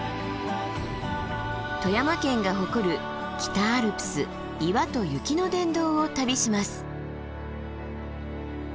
富山県が誇る北アルプス岩と雪の殿堂を旅します。